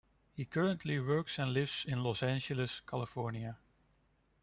He currently works and lives in Los Angeles, California.